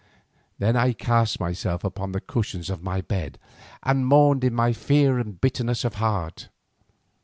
Then I cast myself upon the cushions of my bed and mourned in my fear and bitterness of heart.